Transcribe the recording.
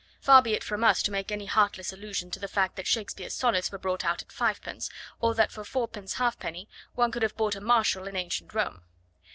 Far be it from us to make any heartless allusion to the fact that Shakespeare's Sonnets were brought out at fivepence, or that for fourpence halfpenny one could have bought a Martial in ancient Rome.